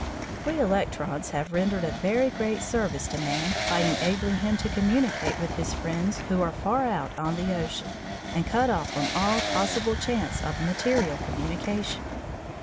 We electrons have rendered a very great service to man by enabling him to communicate with his friends who are far out on the ocean, and cut off from all possible chance of material communication.